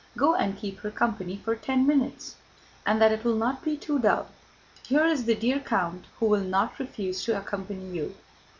Go and keep her company for ten minutes. And that it will not be too dull, here is the dear count who will not refuse to accompany you."